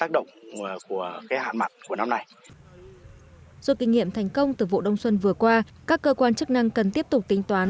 do kinh nghiệm thành công từ vụ đông xuân vừa qua các cơ quan chức năng cần tiếp tục tính toán